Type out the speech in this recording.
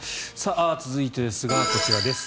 続いてですが、こちらです。